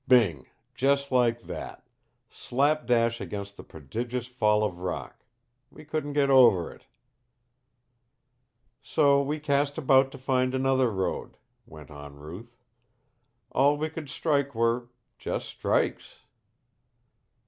"Bing just like that. Slap dash against a prodigious fall of rock. We couldn't get over it." "So we cast about to find another road," went on Ruth. "All we could strike were just strikes."